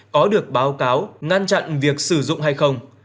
có được báo cáo ngăn chặn việc sử dụng hay không